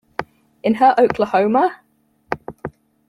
In her Oklahoma!